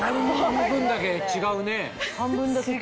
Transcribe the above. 半分だけ違うね。